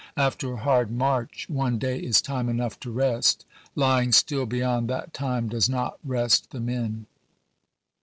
After a hard march, one day is time enough to rest. Lying still beyond that time does not rest ibid., p. 395. the men."